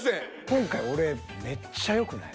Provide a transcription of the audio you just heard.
今回俺めっちゃよくない？